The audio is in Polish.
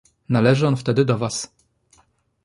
"Należy on wtedy do was."